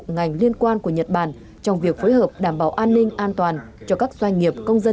ngành liên quan của nhật bản trong việc phối hợp đảm bảo an ninh an toàn cho các doanh nghiệp công dân